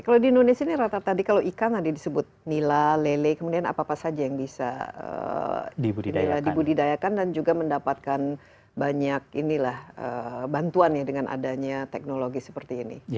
kalau di indonesia ini rata rata kalau ikan tadi disebut nila lele kemudian apa apa saja yang bisa dibudidayakan dan juga mendapatkan banyak bantuan ya dengan adanya teknologi seperti ini